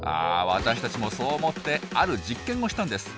私たちもそう思ってある実験をしたんです。